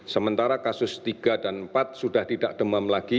sementara kasus tiga dan empat sudah tidak demam lagi